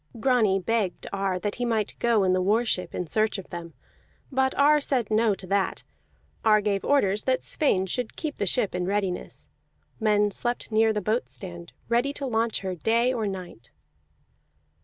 Grani begged of Ar that he might go in the war ship in search of them; but Ar said no to that. Ar gave orders that Sweyn should keep the ship in readiness; men slept near the boat stand, ready to launch her day or night.